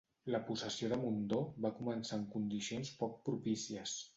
La possessió de Mondor va començar en condicions poc propícies.